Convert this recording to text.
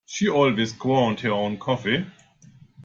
She always ground her own coffee.